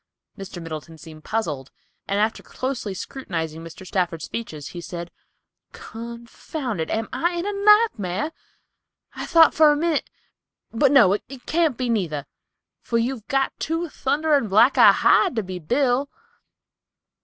Mr. Middleton seemed puzzled, and after closely scrutinizing Mr. Stafford's features, he said, "Confound it, am I in a nightmare? I thought for a minute—but no, it can't be neither, for you've got too thunderin' black a hide to be Bill."